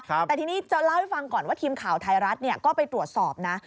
แต่ทีนี้จะเล่าให้ฟังก่อนว่าทีมข่าวไทยรัฐก็ไปตรวจสอบนะ